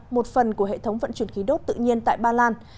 một phần của hệ thống vận chuyển khí đốt tự nhiên tại ba lan